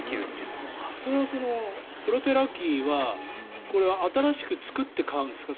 これはプロペラ機は新しく作って買うんですか？